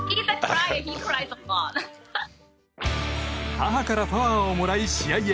母からパワーをもらい試合へ。